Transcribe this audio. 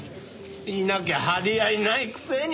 いなきゃ張り合いないくせに。